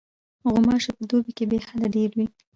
غوماشې په دوبي کې بېحده ډېرې وي.